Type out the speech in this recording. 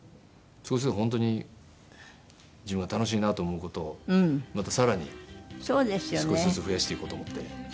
少しずつ本当に自分が楽しいなと思う事をまたさらに少しずつ増やしていこうと思っています。